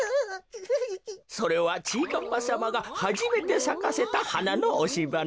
それはちぃかっぱさまがはじめてさかせたはなのおしばな。